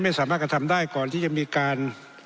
ไม่สามารถกระทำได้ก่อนที่จะมีการ